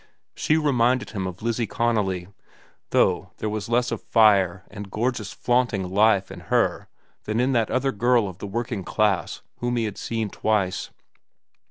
She reminded him of Lizzie Connolly, though there was less of fire and gorgeous flaunting life in her than in that other girl of the working class whom he had seen twice.